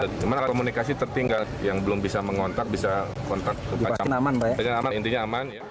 dipastikan aman intinya aman